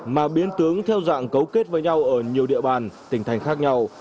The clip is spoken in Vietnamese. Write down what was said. mà biến tướng theo dạng cấu kết với nhau ở nhiều địa bàn tỉnh thành khác nhau